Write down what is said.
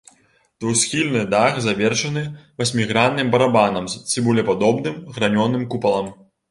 Двухсхільны дах завершаны васьмігранным барабанам з цыбулепадобным гранёным купалам.